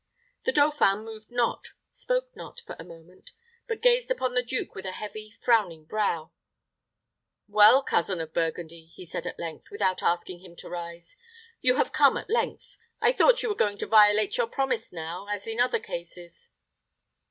The dauphin moved not, spoke not, for a moment, but gazed upon the duke with a heavy, frowning brow. "Well, cousin of Burgundy," he said, at length, without asking him to rise, "you have come at length. I thought you were going to violate your promise now, as in the other cases."